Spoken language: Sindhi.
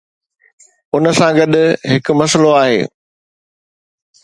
ان سان گڏ هڪ مسئلو آهي.